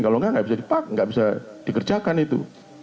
kalau tidak tidak bisa dikerjakan itu